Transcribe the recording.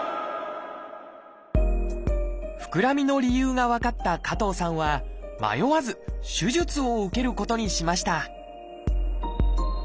ふくらみの理由が分かった加藤さんは迷わず手術を受けることにしました